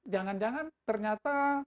jangan jangan ternyata tadi